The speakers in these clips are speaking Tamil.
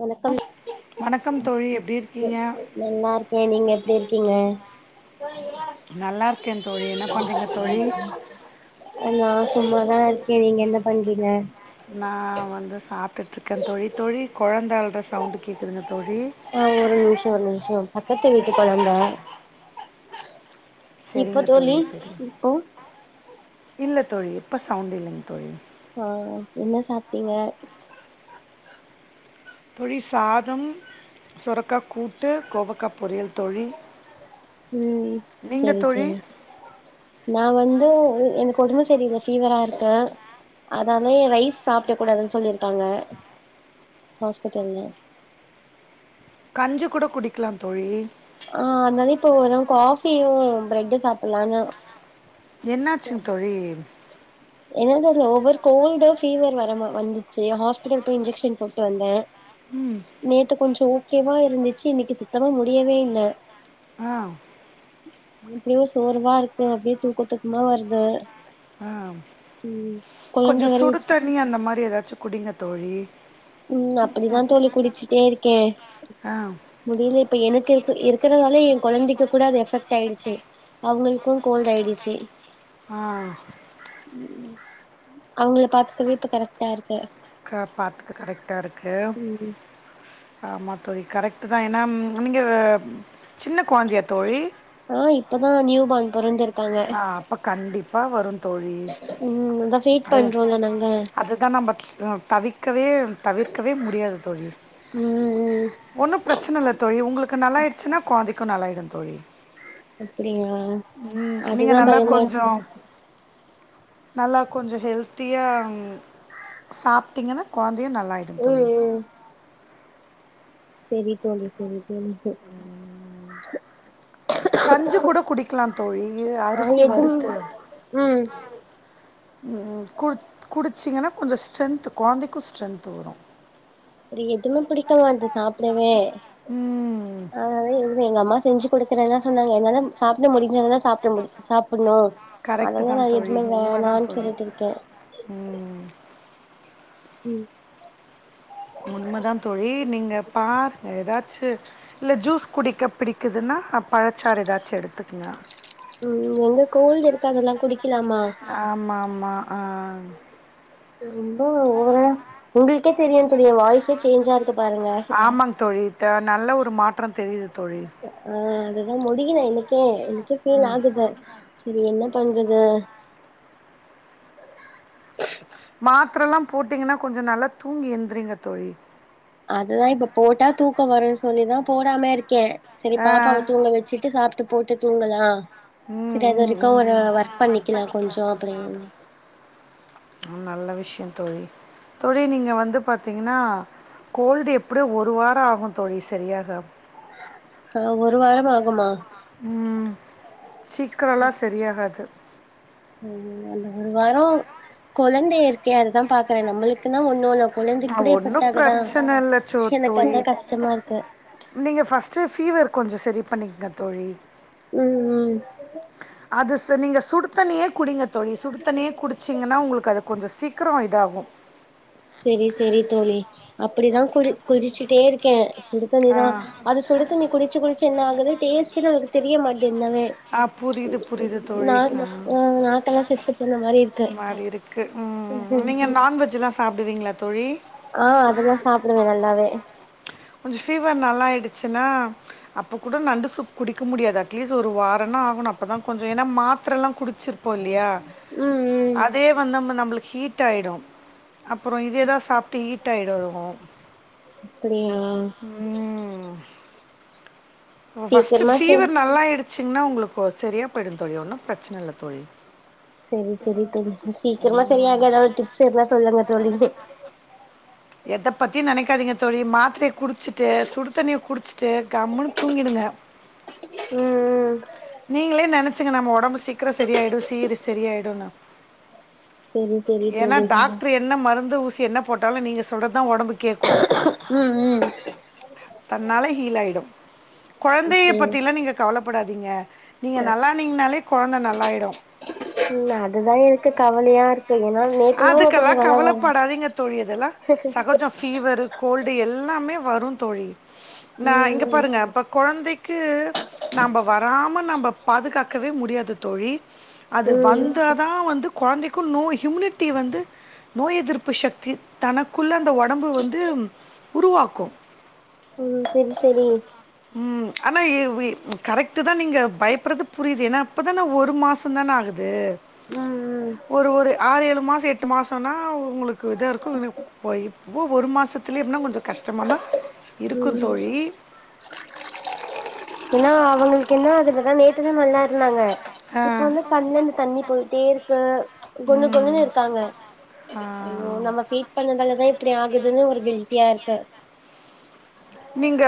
வணக்கம், வணக்கம் தோழி எப்டி எ இருக்கீங்க நல்லாரு கே, நீங்க எப்டி இருக்கீங்க நல்லா இருக்கே தோழி, என்ன பண்றீங்க தோழி? நா சும்மாதா இருக்கே, நீங்க என்ன பண்றீங்க நா வந்து சாப்டுட்டுருக்கே தோழி, தோழி கொழந்தை அழற சவுண்டு கேட்குதுங்க தோழி ஆ ஒரு நிமிஷ ஒரு நிமிஷோ பக்கத்து வீட்டு கொழந்த இப்ப செரிங்க தோழி செரி இப்போ இல்ல தோழி இப்ப சவுண்ட் இல்லைங் தோழி ஆ என்ன சாப்ட்டீங்க தோழி சாதம், சுரக்கா கூட்டு, கோவக்கா பொரியல் தோழி ம் நீங்க சேரி தோழி சேரி நா வந்து எனக்கு ஒடம்பு சரியில்ல ஃபீவரா இருக்கு அதாலே ரைஸ் சாப்ட கூடாதுன்னு சொல்லிருக்காங்க ஹாஸ்பிட்டல்ல கஞ்சி கூட குடிக்கலா தோழி ஆ அதனால இப்ப ஒரு காஃபியு பிரெட் சாப்புட்லான்னு என்னாச்சுங் தோழி என்னன்னு தெரில ஓவர் கோல்டா ஃபீவர் வர மா வந்துச்சு ஹாஸ்பிட்டல் போய் இன்ஜெக்ஷன் போட்டு வந்தே ஆ நேத்து கொஞ்சோ ஓகேவா இருந்துச்சு இன்னைக்கி சுத்தமா முடியவே இல்ல ஆ அப்டியோ சோர்வா இருக்கு அப்டியே தூக்க தூக்கமா வருது ஆ ம் கொழந்த கொஞ்சோ வேற சுடு விட்டு தண்ணி அந்த மாரி ஏதாச்சு குடிங்க தோழி ம் அப்டிதா தோழி குடிச்சுட்டே இருக்கே ஆ முடில இப்ப எனக்கு இருக்கு இருக்கிறதாலே எ கொழந்தைக்கு கூட அது எஃப்பெக்டாயிருச்சு அவுங்களுக்கு கோல்டாயிச்சி ஆ ம், அவங்கள பாத்துக்கவே இப்ப கரெக்டா இருக்கு க பாத்துக்க கரெக்டா இருக்கு, ம் ஆமா தோழி கரெக் ட்டுதா ஏன்னா நீங்க சின்ன கொழந்தையா தோழி ஆ இப்பதா நியூ பார்ன் பொறந்துருக் ஆ அப்போ கண்டிப்பா வரு தோழி ம் அதா ஃபீட் அ பண்றோல்ல நாங்க அதுதா நம்ப ம் தவிக்கவே தவிர்க்கவே முடியாது தோழி ம்‌, ம் ஒன்னு பிரச்சன இல்ல தோழி உங்களுக்கு நல்லாயிடுச்சினா கொழந்தைக்கு நல்லாயிடு தோழி அப்டியா, ம் நீங்க அதுதா நல்லா பயமா இருக்கு கொஞ்சம் நல்லா கொஞ்சோ ஹெல்த்திய சாப்ட்டிங்கன்னா கொழந்தையு நல்லாயிடும் தோழி ம் ம் செரி தோழி செரி தோழி கஞ்சி கூட குடிக்கலா தோழி ஆ அரிசி எதும் வறுத்து ம் ம், கு குடிச்சிங்கன்னா கொஞ்சோ ஸ்ட்ரென்த் கொழந்தைக்கு ஸ்ட்ரென்த் வரு அது எதுவுமே பிடிக்கமாட்டுது சாப்டவே ம் அதனாலதா எது எங்கம்மா செஞ்சு குடுக்குறேன்தா சொன்னாங்க என்னால சாப்ட முடிஞ்சாதான சாப்ட முடியு சாப்புணு கரெக்டு அதல்லா நா தான் எதுவுமே வேணான்னு சொல்லிட்டு இருக்கே ம் ம் உண்மதா தோழி நீங்க பாருங்க ஏதாச்சு இல்ல ஜூஸ் குடிக்க பிடிக்குதுன்னா பழச்சாறு ஏதாச்சு எடுத்துக்கங்க ம் ஏங்க கோல்டு இருக்கு அதெல்லா குடிக்கலாமா ஆமா ஆமா ஆ ரொம்ப ஓவரா உங்களுக்கே தெரியு தெரியு வாய்சே சேஞ்சா இருக்கு பாருங்க ஆமாங்க தோழி த நல்ல ஒரு மாற்றம் தெரியுது தோழி ஆ அதுதா முடியல எனக்கே எனக்கே ஃபீல் ஆகுது செரி என்ன பண்றது மாத்திரல்லா போட்டீங்கன்னா கொஞ்சோ நல்லா தூங்கி எந்திரீங்க தோழி அதுதா இப்ப போட்டா தூக்க வரன்னு சொல்லிதா போடாம இருக்கே செரி ஆ பாப்பாவ தூங்க வச்சிட்டு சாப்ட்டு போட்டு தூங்கலா ம் செரி அது ம் வரைக்கு ம் ஒரு ஒர்க் பண்ணிக்கலா கொஞ்சோ அப்டி நல்ல விஷ்யோ தோழி தோழி நீங்க வந்து பாத்தீங்கன்னா கோல்டு எப்டியு ஒரு வரோ ஆகு தோழி செரியாக ஆ ஒரு வாரம் ஆகுமா ம் சீக்கிரம்லா செரியாகாது [unintelligible] அந்த ஒரு வாரம் கொழந்தை இருக்கே அதுதா பாக்குறே நம்மளுக்கு நா ஒண்ணு இல்ல கொழந்தைக்கு அ கூட எஃபெக்ட் ஒண்ணும் ஆகுதா பிரச்சனை இல்ல எனக்கு அத கஷ்டமா இருக்கு நீங்கள் ஃபஸ்ட்டு ஃபீவர் கொஞ்சோ செரி பண்ணீக்கங்க தோழி ம் ம் அது நீங்க சுடுத்தண்ணியே குடிங்க தோழி சுடு தண்ணியே குடுச் சீங்கன்னா உங்களுக்கு அது கொஞ்சோ சீக்கிரோ இதாகு செரி செரி தோழி அப்டிதா குளி குடிச்சுட்டே இருக்கே சுடு தண்ணி ஆ, தா அது சுடு தண்ணி குடிச்சு குடிச்சு என்ன ஆகுது டேஸ்டுன்னு நம்மாளுக்கு தெரிய மாட்டது ஆ புரியுது, புரியுது [unintelligible] தோழி. நாக் ஆ நாக்கெல்லா செத்து போன மாரி இருக்கு க்கு ம் நீங்க நான்வெஜ்லா சாப்டுவீங்களா தோழி ஆ அதெல்லா சாப்டுவே நல்லாவே கொஞ்சோ ஃபீவர் நல்லா ஆயிடுச்சுன்னா அப்போ கூட நண்டு சூப் குடிக்க முடியாது அட்லீஸ் ஒரு வா ந்தா ஆகணு அப்பதா கொஞ்சோ ஏனா மாத்திரல்லா குடிச்சிரு ப்போ இல்லையா ம் ம் அதே வந்து நம்மளுக்கு ஹீட் ஆயிடு அப்பறோ இதேதா சாப்ட்டு ஹீட் ஆயிடு ரொம்பவு அப்டியா ம் ஃபஸ்ட்டு சீக்கிரமா செரி ஃபீவர் நல்லா ஆடுச்சிங்கன்னா உங்களுக்கு செரியா போயிடு தோழி ஒன்னு பிரச்சன இல்ல தோழி செரி செரி தோழி சீக்கிரமா செரியாக ஏதாவது டிப்ஸ் இருந்தா சொல்லுங்க தோழி எத பத்தியு நெனைக்காதீங்க தோழி மாத்திரைய குடிச்சிட்டு சுடு தண்ணிய குடிச்சிட்டு கம்முனு தூங்கிடுங்க ம் ம் நீங்களே நெனச்சுங்க நம்ம ஒடம்பு சீக்கிர செரியாயிடு சீரு செரியாயிடுனு செரி செரி ஏனா தோழி டாக்டர் என்ன மருந்து ஊசி என்ன போட்டாலு நீங்க சொல்றதுதா ஒடம்பு கேக்கு ம் ம் தன்னால ஹீழாயிடு கொழந்தைய ம் பத்திலா நீங்க கவலைப்படாதீங்க நீங்க நல்லா ஆனிங்கனாலே கொழந்த நல்லாயிடு இல்ல அதுதா எனக்கு கவலையா இருக்கு ஏன்னா நேத்துலா அதுக்கெல்லா கொஞ்சோ நல்லாதாருந்தே கவலைப்படாதீங்க தோழி அதெல்லா சகஜோ ஃபீவரு கோல்டு எல்லாமே வரு தோழி நா இங்க ம் பாருங்க இப்போ கொழந்தைக்கு நாம வராம நம்ம பாதுகாக்கவே முடியாது தோழி அது ம் வந்தா தா வந்து குழந்தைக்கும் நோய் ஹியூமினிட்டி வந்து நோய் எதிர்ப்பு சக்தி தனக்குள்ள அந்த உடம்பு வந்து உருவாக்கு ம் செரி செரி ம் ஆனா கரெக்ட்டு தா நீங்க பயப்படுறது புரியுது ஏன்னா இப்பதான ஒரு மா சா தான ஆகுது ம் ம் ஒரு ஒரு ஆறுரேழு மாசோ எட்டு மாசனா உங்களுக்கு இதா இருக்கு இப் இப்போ ஒரு மாச பிள்ளியளுக்குனா கொஞ்ச கஷ்டமாக தா இருக்கு ம் தோழி ஏன்னா அவங்களுக்கு என்ன அதுலதா நேத்துதா நல்லா இருந்தாங்க இப்ப வந்து கண்லருந்து தண்ணி போயிட்டே இருக்கு கொன்னு கொன்னுன்னு இருக்காங்க ஐயோ நம்ம ஃபீட் பண்ணதாலதா இப்டி ஆகுதுன்னு ஒரு ஹில்டியா இருக்கு நீங்க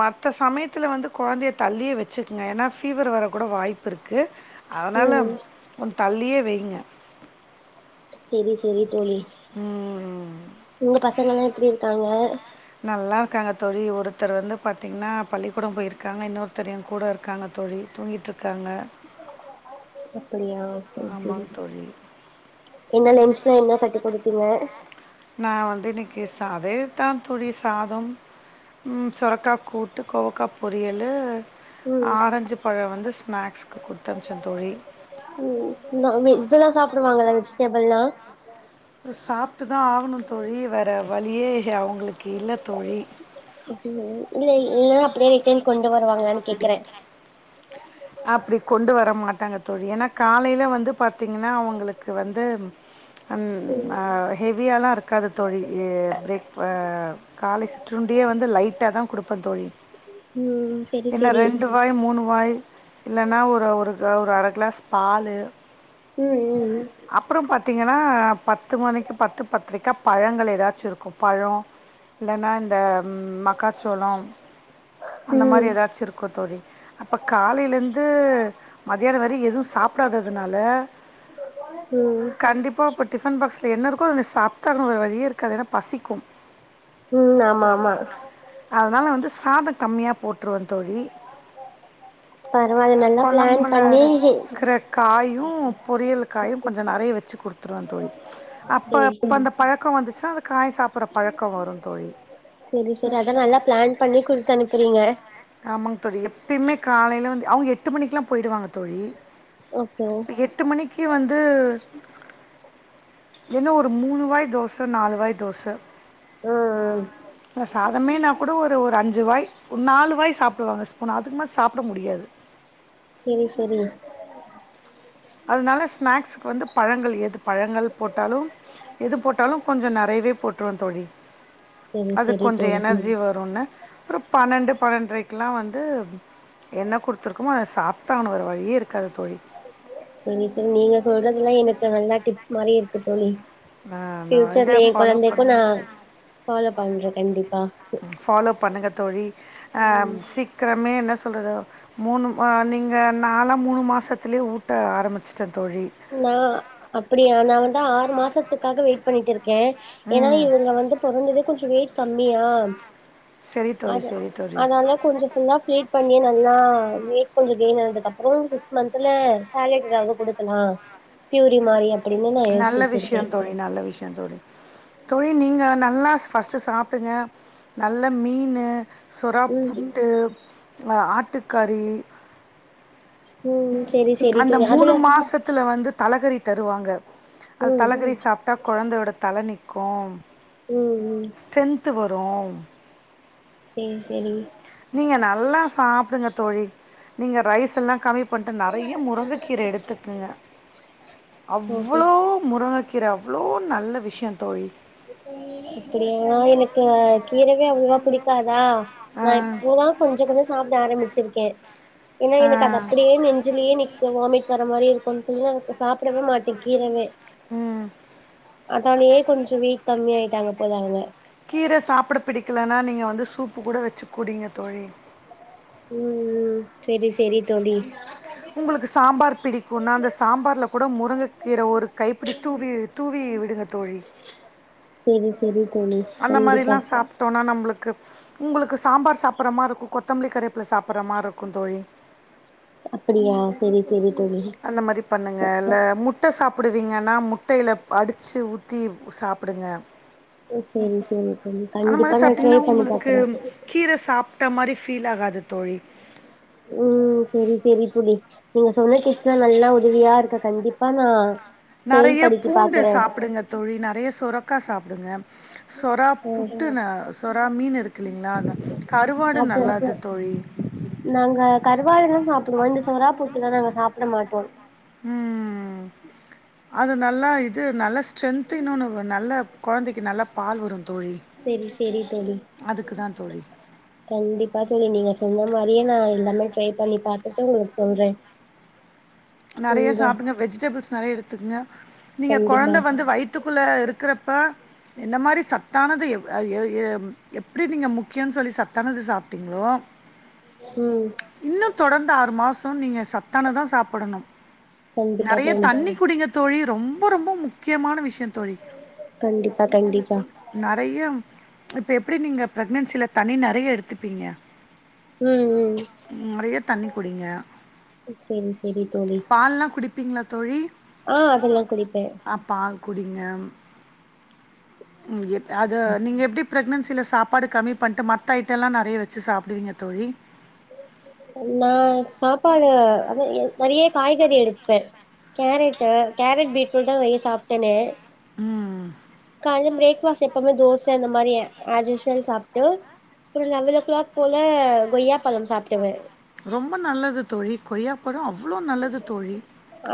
மத்த வ சமயத்தில வந்து கொழந்தைய தள்ளியே வச்சுக்கங்க ஏன்னா ஃபீவர் வர கூட வாய்ப் புருக்கு அதனால ம் கொன் தள்ளியே வைங்க செரி செரி தோழி ம். உங்க பசங்கல்லா எப்டி இருக்காங்க நல்லா இருக்காங்க தோழி ஒருத்தர் வந்து பாத்திங்கன்னா பள்ளிக்கூடம் போயிருக்காங்க இன்னொருத்தர் என் கூட இருக்காங்க தோழி தூங்கிட்டுருக்காங்க அப்படியா ஆமாங் தோழி நீங்க ‌லென்ச்லா என்ன கட்டி குடுத்தீங்க நா வந்து இன்னைக்கு சா அதேதா தோழி சாதம் ம் சுரக்கா கூட்டு கோவக்கா பொரியல்லு ம் ஆரஞ்சு பழ வந்து ஸ்நாக்ஸ்க்கு குடுத்தமுச்சே தோழி ம் நா வெஜ் இதெல்லா சாப்பிடுவாங்கல்ல வெஜிடேபில்லா சாப்ட்டு தா ஆகணு தோழி வேற வழியே அவங்களுக் இல்ல தோழி [unintelligible] இல்ல அப்டியே ரிட்டன் கொண்டு வருவாங்களானு கேக்கற அப்டி கொண்டு வர மாட்டாங்க தோழி ஏன்னா காலையில பாத்தீங்கன்னா அவங்களுக்கு வந்து அம் ஆ ஹெவியாலா இருக்காது தோழி பிரேக் பா காலை சுற்றுண்டியே வந்து லைட்டாதா குடுப்பே தோழி ம் செரி என்னா செரி ரெண்டு வாய் மூணு வாய் இல்லன்னா ஒரு ஒரு ஒரு அர கிளாஸ் பாலு ம் ம் அப்புற பாத்தீங்கன்னா பத்து மணிக்கு பத்து பத்தரைக்கா பழங்கள் எதாச்சு இருக்கு பழம் இல்லன்னா இந்த மக்காச்சோளம் அந்த ம் மாதிரி ஏதாச்சு இருக்கு தோழி அப்போ காலையிலந்து மதியான வர எது சாப்டாததுனால ம் கண்டிப்பா இப்போ டிஃபன் பாக்ஸ்ல என்ன இருக்கோ அத நீ சாப்டு தா ஆகனு வேற வழியே இருக்காது ஏன்னா பசிக்கு ம் ஆமா ஆமா அதனால நா வந்து சாத கம்மியாக போட்டுருவ தோழி பரவால்ல நல்லா பிளான் கொழம்புல பண்ணி இருக்குற காயு பொரியல் காயு கொஞ்சோ நெறைய வெச்சு குடுத் -துருவே தோழி செரி அப்ப செரி அந்த பழக்க வந்துச்சுன்னா அது காய் சாப்பட்ற பழக்க வரு தோழி சேரி சேரி அதா நல்லா பிளான் பண்ணி குடுத்து அனுப்புறீங்க ஆமாங்க தோழி எப்பயுமே காலையில வந்து அவங்க எட்டு மணிக்குல்லா போயிடுவாங்க தோழி ஓகே எட்டு மணிக்கு வந்து என்ன ஒரு மூணு வாய் தோச நாலு வாய் தோச ஆ ஆ இல்ல சாதமேனா கூட ஒரு ஒரு அஞ்சு வாய் ஒரு நாலு வாய் சாப்டுவாங்க ஸ்பூன் அதுக்கு மேல் சாப்ட முடியாது செரி செரி அதனால ஸ்நாக்ஸ்க்கு வந்து பழங்கள் எது பழங்கள் போட்டாலு எது போட்டாலு கொஞ்ச நெறையவே போட்ருவ தோழி செரி அதுக்கு செரி கொஞ்சோ தோழி எனர்ஜி வருன்னு அப்றோ பன்னெண்டு பன்னெண்டரைக்குல்லா வந்து என்ன குடுத்துருக்கமோ அத சாப்பிட்டுதா ஆவனு வேற வழியே இருக்காது தோழி செரி செரி நீங்க சொல்றதுல்லா எனக்கு நல்லா டிப்ஸ் மாரி இருக்கு தோழி நான் நான் இதை ஃபியூச்சர்ல ஏ ஃபாலோ கொழந்தைக்கு நா பண்ணுவேன் ஃபாலோ பண்றே கண்டிப்பா ஃபாலோ பண்ணுங்க தோழி சீக்கிரமே என்ன சொல்றது மூணு நீங்க நாள்ளா மூணு மாசத்துலயே ஊட்ட ஆரம்பிச்சட்டே தோழி நா அப்படியா நா வந்து ஆறு மாசத்துகாக வெட் பண்ணிட்டு இருக்கே ஏன்னா இவங்க வந்து பொறந்ததே கொஞ்ச வெயிட் கம்மியா சரி தோழி அத சரி தோழி அதனால கொஞ்ச ஃபுல்லா ப்ளீட் பண்ணி நல்லா வெயிட் கொஞ்ச கெயின் ஆனதுக்கப்றோ சிக்ஸ் மந்தந்ல சேலட் எதாவது குடுக்கலா பியூரி மாரியா நல்ல விஷய தோழி நல்ல விஷய தோழி தோழி நீங்க நல்லா ஃபஸ்ட்டு சாப்பிடுங்க நல்லா மீனு ம் சொறாப்புட்டு ஆட்டுக்கறி ம் செரி செரி அந்த தோழி மூணு அதுல மாசத்துல வந்து தலகறி தருவாங்க அது ம் தலகறி சாப்பிட்டா கொழந்தையோட தல நிக்கு ம் ம் ஸ்ட்ரென்து வரு செரி செரி நீங்க நல்லா சாப்டுங்க தோழி நீங்க ரைஸ் எல்லா கம்மி பண்ட்டு நெறைய முருங்கக்கீர எடுத்துக்குங்க ஓகே அவ்ளோ முருங்கக் கீர அவ்ளோ நல்ல விஷ்யோ தோழி அப்டியா எனக்கு கீரவே அவ்ளவா பிடிக்காதா ஆ நா இப்போ தா கொஞ்ச கொஞ்ச சாப்ட ஆரம்பிச்சிருக்கே ஏன்னா எனக்கு ஆ அது அப்படியே நெஞ்சிலே நிக்கு வாமிட் வர்ற மாரி இருக்குனு சொல்லி நா எனக்கு சாப்டவே மாட்டே கீரவே ம் அதாலயே கொஞ்ச வெயிட் கம்மியாயிட்டாங்க போல அவங்க கீர சாப்ட பிடிக்கலன்னா நீங்க வந்து சூப்பு கூட வெச்சு குடிங்க தோழி ம் ம் செரி செரி தோழி உங்களுக்கு சாம்பார் பிடிக்குன்னா அந்த சாம்பார்ல கூட முருங்கக்கீர கைப்பிடி தூவி தூவி விடுங்க தோழி செரி செரி தோழி கண்டிப்பா விட்டோனா நம்மளுக்கு உங்களுக்கு சாம்பார் சாப்புட்ற மாரி இருக்கு கொத்தமல்லி கறிப்பில சாப்பிட்ற மாரி இருக்கு தோழி அப்படியா செரி செரி தோழி அந்த மாரி பண்ணுங்க இல்ல முட்ட சாப்பிடுவீங்கன்னா முட்டைல அடிச்சி ஊத்தி சாப்பிடுங்க செரி செரி தோழி அந்த மாரி கண்டிப்பா நா ட்ரை சாப்பிட்டீங்கன்னா பண்ணி உங்களுக்கு பாக்குறே கீர சாப்பிட்ட மாரி ஃபீல் ஆகாது தோழி ஓ செரி செரி தோழி நீங்க சொன்ன டிப்ஸ் லா நல்லா உதவியா இருக்க கண்டிப்பா நா நறைய செயல்படுத்தி பூண்டு பாக்குறே சாப்டுங்க தோழி நெறைய சொரக்கா சாப்டுங்க சொறா ம் புட்டு நா சொறா மீன் இருக்குல்லீங்களா அந்த கருவாடு அது நல்லது தோழி நாங்க கருவாடுல்லா சாப்பிடுவோ இந்த சொறாப்புட்டு லா நாங்க சாப்ட மாட்டோ ம் ம் ம் அது நல்லா இது ஸ்ட்ரென்து இன்னொன்னு நல்லா கொழந்தைக்கு நல்லா பால் வரு தோழி செரி செரி தோழி அதுக்கு தான் தோழி. கண்டிப்பா தோழி நீங்க சொன்ன மாரியே நா எல்லாமே ட்ரை பண்ணி பாத்துட்டு உங்களுக்கு சொல்றே நெறைய உங்க சாப்டுங்க வெஜிடபிள்ஸ் நெறைய எடுத்துக்கங்க நீங்க கண்டிப்பா கொழந்த வந்து வய் வைத்துக்குள்ள இருக்கிறப்ப இந்த மாரி சத்தானது எ எ எ எப்டி நீங்க முக்கியம்ன்னு சொல்லி சத்தானது சாப்டிங்களோ ம் இன்னும் தொடர்ந்து ஆறு மாசோ நீங்க சத்தானதா சாப்டணும் கண்டிப்பா நறைய தோழி தண்ணி குடிங்க தோழி ரொம்ப ரொம்ப முக்கியமான விஷயம் தோழி. கண்டிப்பா கண்டிப்பா நறையா இப்போ எப்டி நீங்க ப்ரெக்னன்சியில தண்ணி நறையா எடுத்துப்பீங்க ம் ம் நறைய தண்ணி குடிங்க செரி செரி தோழி பால்லாம் குடிப்பீங்களா தோழி ஆ அதெல்லாம் குடிப்பேன் ஆ பால் குடிங்க அது நீங்க எப்டி ப்ரக்னன்சியில சாப்பாட கம்மி பண்ட்டு மத்த ஐட்டம்லாம் நறைய வச்சு சாப்பிடுவீங்க தோழி நா சாப்பாடு அத நறைய காய்கறி எடுத்துப்பேன் கேரட்டு கேரட் பீட்ஃரூட் தான் நறைய சாப்ட்டேனே ம் ம் கால பிரேக்பாஸ்ட் எப்பவுமே தோசை அந்த மாரி அஸ்யூசுவல் சாப்ட்டு செரி லெவன் ஓ கிளாக் போல கொய்யாப் பழம் சாப்டுவேன் ரொம்ப நல்லது தோழி கொய்யாப்பழம் அவ்ளோ நல்லது தோழி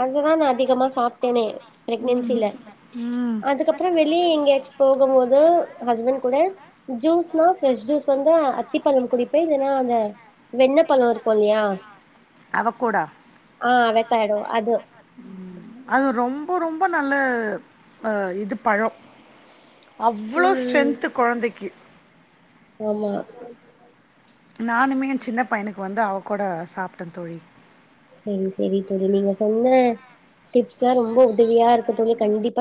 அதுதான் நான் அதிகமா சாப்ட்டேனே பிரெக்னன்சில ம் அதுகப் அப்பறம் வெளியே எங்கேயாச்சும் போகும் போது ஹஸ்பண்ட் கூட ஜூஸ்னா ஃபாரெஸ்ஜூஸ் வநாதா அத்திப்பழம் குடிப்பே இல்லைன்னா அந்த வெண்ண பழம் இருக்கும் இல்லையா அவகோடா ஆ அவகேடோ அது ம் அது ரொம்ப ரொம்ப நல்ல அ இது பழோ அவ்ளோ ம் ஸ்ட்ரென்த்து குழந்தைக்கு ஆமா நானுமே என் சின்ன பையனுக்கு வந்து அவகொடா சாப்ட்டேன் தோழி செரி செரி தோழி நீங்க சொன்ன டிப்ஸ்லாம் ரொம்ப உதவியா இருக்கு தோழி கண்டிப்பா